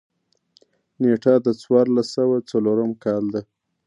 نېټه د څوارلس سوه څلورم کال ده.